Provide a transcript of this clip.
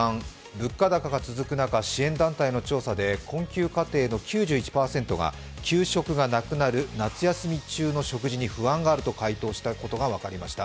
物価高が続く中、支援団体の調査で困窮家庭の９１％が給食がなくなる夏休み中の食事に不安があると回答したことが分かりました。